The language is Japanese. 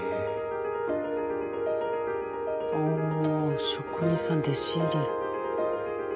ああ職人さん弟子入り。